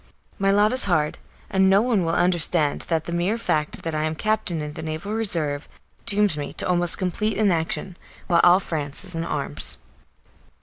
My lot is hard, and no one will understand that the mere fact that I am a captain in the Naval Reserve dooms me to almost complete inaction, while all France is in arms.